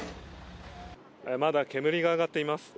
まだ煙が上がっています。